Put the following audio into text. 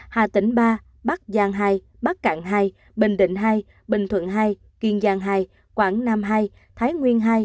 hà tĩnh ba bắc giang hai bắc cạn hai bình định hai bình thuận hai kiên giang hai quảng nam ii thái nguyên hai